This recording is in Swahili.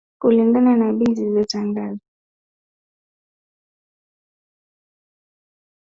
Kulingana na bei zilizotangazwa hivi karibuni na Mamlaka ya Udhibiti wa Huduma za Nishati na Maji kuanzia Aprili sita